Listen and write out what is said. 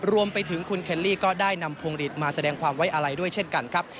รวมไปถึงคุณเคลลี่ก็ได้นำพวงหลีดมาแสดงความไว้อะไรด้วยเช่นกันครับ